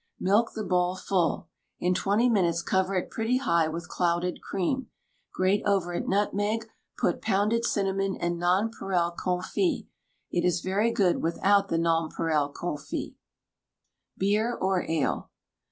Milk the bowl full; in twenty minutes cover it pretty high with clouted cream; grate over it nutmeg; put pounded cinnamon and nonpareil comfits. It is very good without the nonpareil comfits. BEER OR ALE.